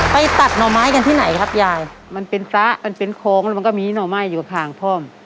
ไปตัดหน่อไม้กันที่ไหนครับยายมันเป็นฟ้ามันเป็นโค้งแล้วมันก็มีหน่อไม้อยู่ข้างพ่อม